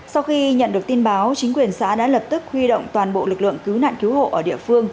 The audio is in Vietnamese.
sau khi nhận được tin báo chính quyền xã đã lập tức huy động toàn bộ lực lượng cứu nạn cứu hộ ở địa phương